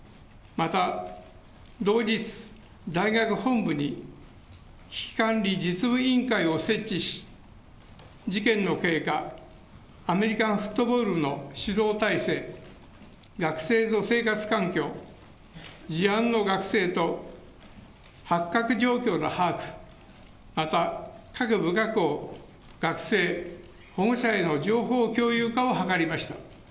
また同日、大学本部に危機管理実務委員会を設置し、事件の経過、アメリカンフットボール部の指導体制、学生の生活環境、事案の学生と発覚状況の把握、また各学生、保護者への情報共有化を図りました。